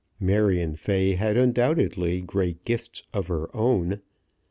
Marion Fay had undoubtedly great gifts of her own.